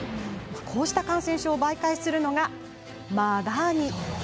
こうした感染症を媒介するのがマダニ。